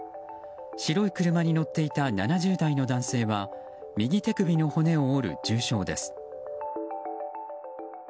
白い車に乗っていた７０代の男性は右手首の骨を折る重傷です。